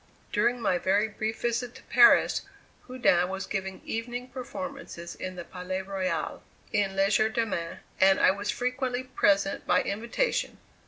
During my very brief visit to Paris, Houdin was giving evening performances in the Palais Royale, in legerdemain, and I was frequently present by invitation.